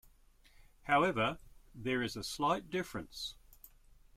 However, there is a slight difference.